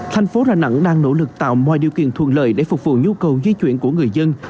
thành phố đà nẵng đang nỗ lực tạo mọi điều kiện thuận lợi để phục vụ nhu cầu di chuyển của người dân